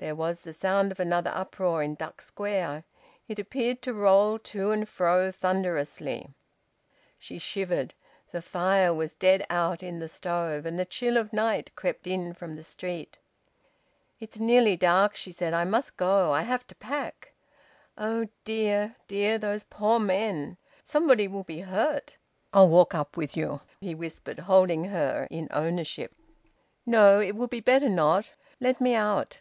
There was the sound of another uproar in Duck Square. It appeared to roll to and fro thunderously. She shivered. The fire was dead out in the stove, and the chill of night crept in from the street. "It's nearly dark," she said. "I must go! I have to pack... Oh dear, dear those poor men! Somebody will be hurt!" "I'll walk up with you," he whispered, holding her, in owner ship. "No. It will be better not. Let me out."